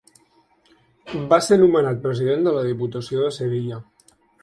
Va ser nomenat president de la Diputació de Sevilla.